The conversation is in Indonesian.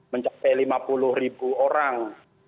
mencapai lima puluh ribu orang